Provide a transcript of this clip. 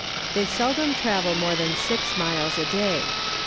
They seldom travel more than six miles a day.